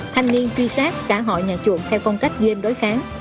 thanh niên truy sát cả hội nhà chuột theo công cách game đối kháng